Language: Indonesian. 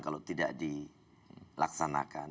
kalau tidak dilaksanakan